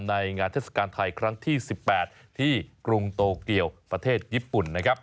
ในงานเทศกาลไทยครั้งที่๑๘ที่กรุงโตเกียวประเทศญี่ปุ่นนะครับ